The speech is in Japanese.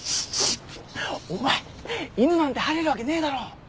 お前犬なんて入れるわけねえだろ。